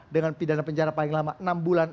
dengan pidana penjara paling lama enam bulan